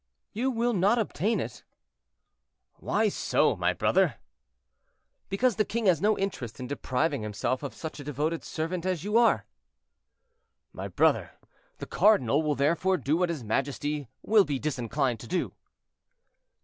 "You will not obtain it." "Why so, my brother?" "Because the king has no interest in depriving himself of such a devoted servant as you are." "My brother, the cardinal, will therefore do what his majesty will be disinclined to do."